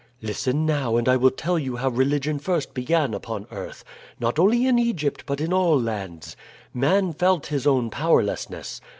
"Listen now and I will tell you how religion first began upon earth, not only in Egypt, but in all lands. Man felt his own powerlessness.